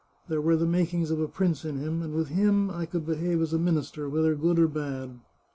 There were the makings of a prince in him, and with him I could behave as a minister, whether good or bad.